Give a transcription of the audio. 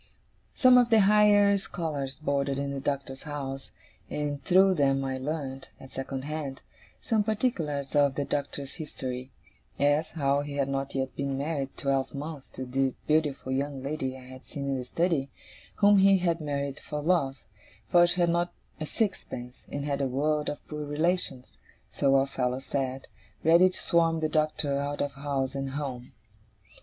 Some of the higher scholars boarded in the Doctor's house, and through them I learned, at second hand, some particulars of the Doctor's history as, how he had not yet been married twelve months to the beautiful young lady I had seen in the study, whom he had married for love; for she had not a sixpence, and had a world of poor relations (so our fellows said) ready to swarm the Doctor out of house and home.